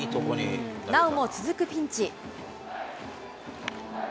なおも続くピンチ。